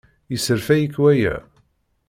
Yesserfay-ik waya?